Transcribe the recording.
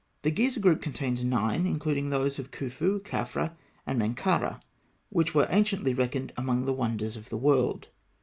The Gizeh group contains nine, including those of Khûfû, Khafra, and Menkara, which were anciently reckoned among the wonders of the world.